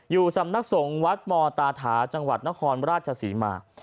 สำนักสงฆ์วัดมตาถาจังหวัดนครราชศรีมา